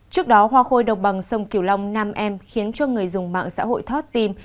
trước đó hoa khôi đồng bằng sông kiều long nam em khiến cho người dùng mạng xã hội thoát tim